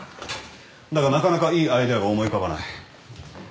だがなかなかいいアイデアが思い浮かばない。